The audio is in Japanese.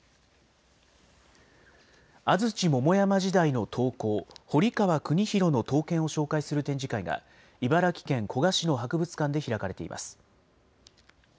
安土桃山時代の刀工、堀川國廣の刀剣を紹介する展示会が、茨城県古河市の博物館で開かれています。